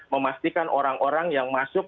memastikan orang orang yang masuk